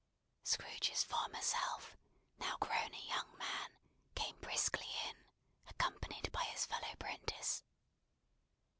Scrooge's former self, now grown a young man, came briskly in, accompanied by his fellow 'prentice.